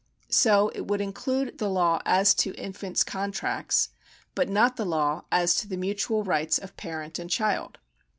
So it would include the law as to infant's contracts, but not the law as to the mutual rights of parent and child.